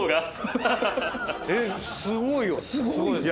えっすごいよね。